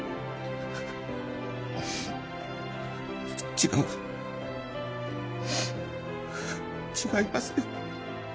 違う違いますよ。